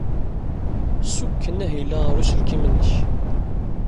Ssukken ahil-a ɣer uselkim-nnek.